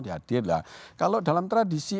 dihadir lah kalau dalam tradisi